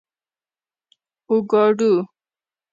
🥑 اوکاډو